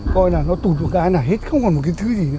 coi là nó tụt một cái là hết không còn một cái thứ gì nữa